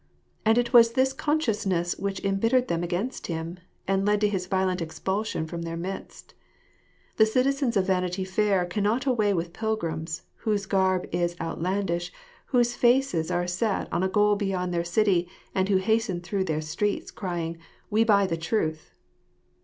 And it was this consciousness which embittered them against him, and led to his violent expulsion from their midst. The citizens of Vanity Fair cannot away with pilgrims, whose garb is outlandish, whose faces are set on a goal beyond their city, and who hasten through their streets, crying, " We buy the truth."